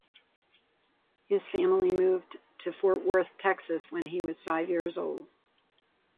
His family moved to Fort Worth, Texas, when he was five years old.